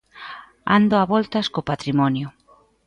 Ando a voltas co patrimonio.